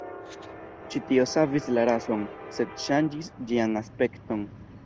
Ĉi tio savis la rason, sed ŝanĝis ĝian aspekton.